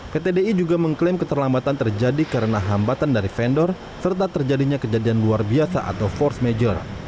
pt di juga mengklaim keterlambatan terjadi karena hambatan dari vendor serta terjadinya kejadian luar biasa atau force major